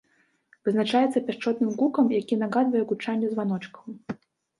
Вызначаецца пяшчотным гукам, які нагадвае гучанне званочкаў.